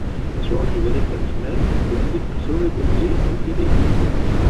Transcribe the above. Zoals u wellicht hebt gemerkt, vind ik dit persoonlijk een zeer goed idee.